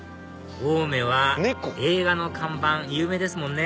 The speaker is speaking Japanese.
青梅は映画の看板有名ですもんね